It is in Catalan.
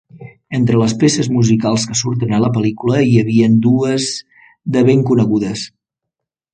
Entre les peces musicals que surten a la pel·lícula, hi havien dues de ben conegudes.